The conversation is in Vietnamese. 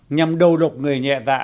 nhằm đầu độc người nhẹ dạ